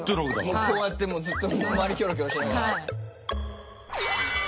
もうこうやってもうずっと周りキョロキョロしながら。